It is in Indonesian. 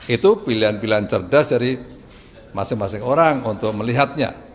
itu pilihan pilihan cerdas dari masing masing orang untuk melihatnya